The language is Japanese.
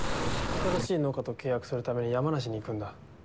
新しい農家と契約するために山梨に行くんだ。